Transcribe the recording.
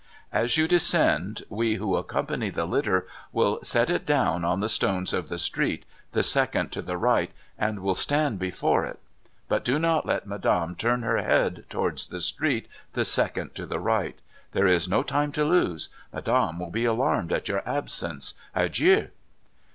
As you descend, we who accompany the litter will set it down on the stones of the street the second to the right, and will stand before it. But do not let Madame turn her head towards the street the second to the right. There is no time to lose. Madame will be alarmed by your absence. Adieu